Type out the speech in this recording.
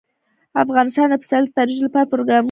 افغانستان د پسرلی د ترویج لپاره پروګرامونه لري.